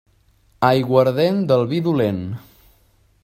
Aiguardent del vi dolent.